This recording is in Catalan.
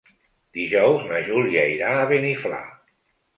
Dijous na Júlia irà a Beniflà.